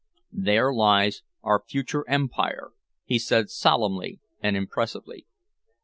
"There lies our future Empire," he said solemnly and impressively.